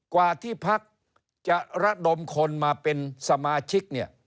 กว่าที่พักจะระดมคนมาเป็นสมาชิกเนี่ย